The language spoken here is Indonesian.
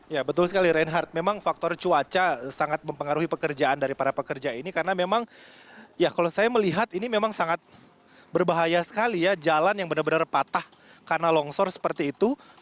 ya betul sekali reinhardt memang faktor cuaca sangat mempengaruhi pekerjaan dari para pekerja ini karena memang ya kalau saya melihat ini memang sangat berbahaya sekali ya jalan yang benar benar patah karena longsor seperti itu